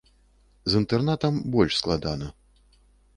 З інтэрнатам больш складана.